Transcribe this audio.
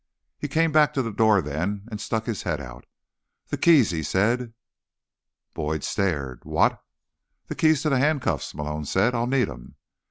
He came back to the door then, and stuck his head out. "The keys," he said. Boyd stared. "What?" "The keys to the handcuffs," Malone said. "I'll need 'em."